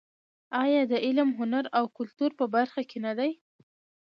آیا د علم، هنر او کلتور په برخه کې نه دی؟